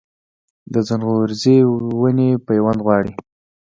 د ځنغوزي ونې پیوند غواړي؟